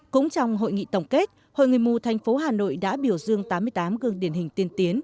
cũng trong hội nghị tổng kết hội người mù thành phố hà nội đã biểu dương tám mươi tám gương điển hình tiên tiến